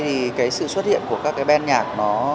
thì cái sự xuất hiện của các cái band nhạc